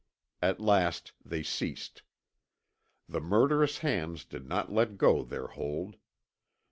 At last they ceased. The murderous hands did not let go their hold.